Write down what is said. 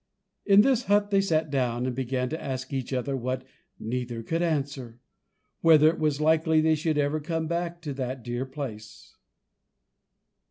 In this hut they sat down and began to ask each other what neither could answer, whether it was likely they should ever come back to that dear place.